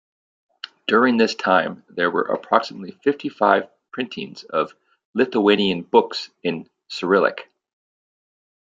During this time, there were approximately fifty-five printings of Lithuanian books in Cyrillic.